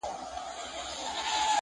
o د مړو کله په قيامت رضا نه وه٫